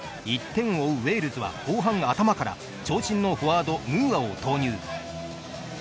１点を追うウェールズは後半頭から長身のフォワードムーアを投入。